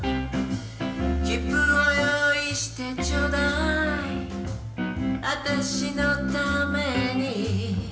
「切符を用意してちょうだい」「私のために」